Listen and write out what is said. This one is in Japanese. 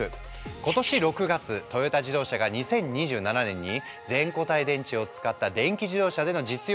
今年６月トヨタ自動車が２０２７年に全固体電池を使った電気自動車での実用化を発表するやいなや